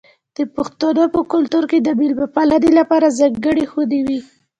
د پښتنو په کلتور کې د میلمه پالنې لپاره ځانګړې خونه وي.